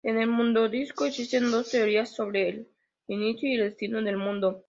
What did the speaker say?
En el Mundodisco existen dos teorías sobre el inicio y el destino del mundo.